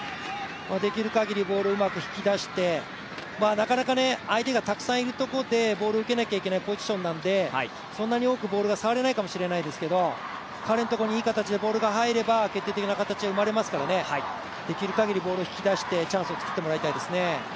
できるかぎりボールをうまく引き出して、なかなか相手がたくさんいるところでボールを受けなきゃいけないポジションなんで、そんなに多くボールは触れないかもしれないですけど彼のところにいい形でボールが入れば決定的な形が生まれますから、できるだけボールを引き出してチャンスを作ってもらいたいですね。